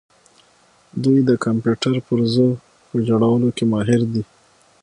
دوی د کمپیوټر پرزو په جوړولو کې ماهر دي.